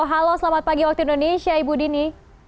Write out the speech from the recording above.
halo selamat pagi waktu indonesia ibu dini